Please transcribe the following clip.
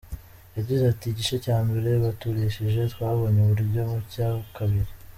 Yagize ati “Igice cya mbere baturushije, twabonye uburyo mucya kabiri.